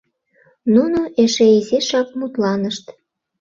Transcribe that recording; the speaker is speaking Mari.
Нуно эше изишак мутланышт.